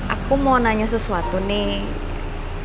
aku mau nanya sesuatu nih